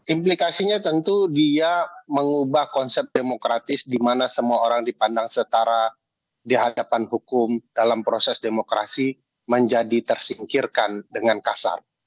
implikasinya tentu dia mengubah konsep demokratis di mana semua orang dipandang setara di hadapan hukum dalam proses demokrasi menjadi tersingkirkan dengan kasar